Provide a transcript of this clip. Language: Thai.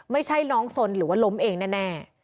ไม่ใช่น้องสนหรือว่าล้มเองแน่